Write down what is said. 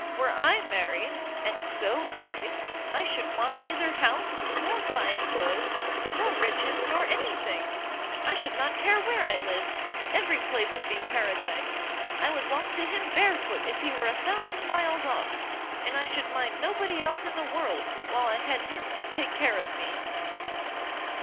were I married, and so married, I should want neither house, nor fine cloaths, nor riches, nor any thing; I should not care where I lived, every place would be paradise! I would walk to him barefoot if he were a thousand miles off, and I should mind nobody else in the world while I had him to take care of me!"